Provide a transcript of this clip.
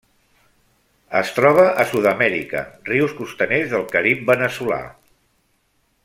Es troba a Sud-amèrica: rius costaners del Carib veneçolà.